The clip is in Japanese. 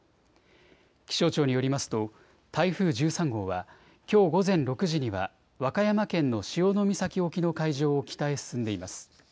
気象庁によりますと台風１３号はきょう午前６時には和歌山県の潮岬沖の海上を北へ進んでいます。